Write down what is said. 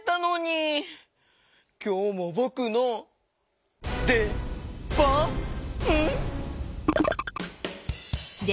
きょうもぼくのでばん？